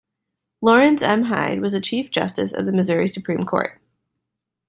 Laurance M. Hyde was a chief justice of the Missouri supreme court.